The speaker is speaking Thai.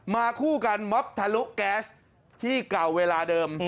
คู่กันม็อบทะลุแก๊สที่เก่าเวลาเดิม